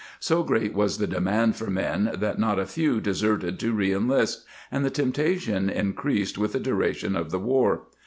So great was the demand for men that not a few deserted to reenHst, and the temptation increased with the duration of the war.